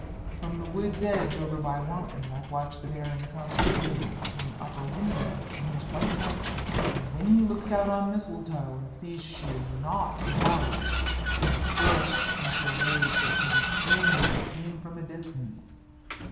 From the wood's edge over by Wantley I've watched the Baron come eagerly to an upper window in his white night shift. And when he looks out on Mistletoe and sees she is not devoured, he bursts into a rage that can be plainly seen from a distance.